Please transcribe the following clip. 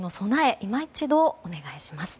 今一度お願いします。